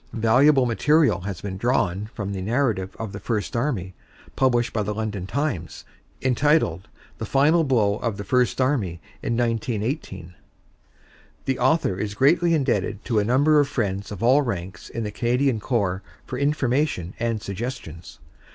Valuable material has been drawn from the narrative of the First Army, published by the London Times, entitled, "The Final Blow of the First Army in 1918." The author is greatly indebted to a number of friends of all ranks in the Canadian Corps for information and sugges tions.